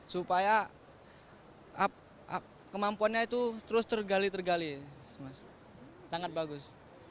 supaya kemampuannya itu terus tergali tergali sangat bagus